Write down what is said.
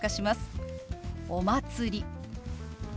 「お祭り」。